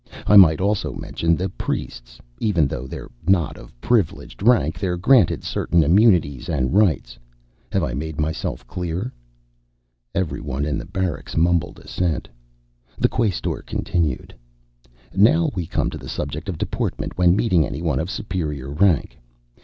I might also mention the priests. Even though they're not of Privileged rank, they're granted certain immunities and rights. Have I made myself clear?" Everyone in the barracks mumbled assent. The Quaestor continued, "Now we come to the subject of deportment when meeting anyone of superior rank.